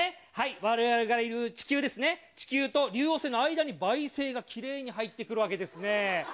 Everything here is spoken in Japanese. われわれがいる地球ですね、地球と竜王星の間に梅星がきれいに入ってくるわけですね。